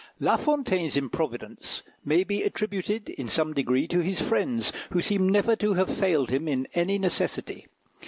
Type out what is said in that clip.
La Fontaine's improvidence may be attributed in some degree to his friends, who seem never to have failed him in any necessity.